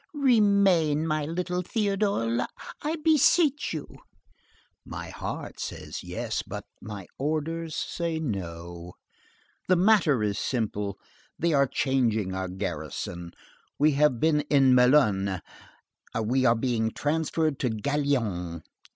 "Remain, my little Théodule, I beseech you." "My heart says 'yes,' but my orders say 'no.' The matter is simple. They are changing our garrison; we have been at Melun, we are being transferred to Gaillon.